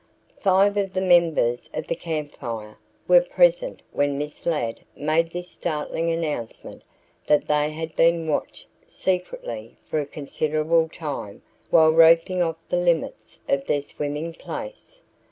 Five of the members of the Camp Fire were present when Miss Ladd made this startling announcement that they had been watched secretly for a considerable time while roping off the limits of their swimming place.